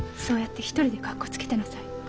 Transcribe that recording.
そうやって一人でかっこつけてなさい。